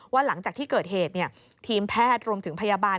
หลังจากที่เกิดเหตุทีมแพทย์รวมถึงพยาบาล